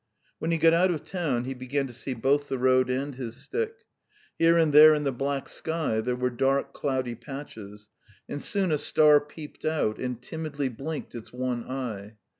When he got out of town, he began to see both the road and his stick. Here and there in the black sky there were dark cloudy patches, and soon a star peeped out and timidly blinked its one eye.